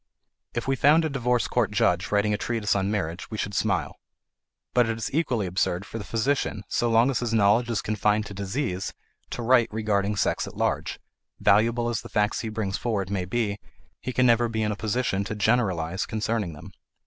If we found a divorce court judge writing a treatise on marriage we should smile. But it is equally absurd for the physician, so long as his knowledge is confined to disease, to write regarding sex at large; valuable as the facts he brings forward may be, he can never be in a position to generalize concerning them.